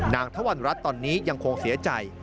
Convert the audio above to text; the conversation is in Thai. นางทวรรณรัฐตอนนี้ยังคงเสียใจ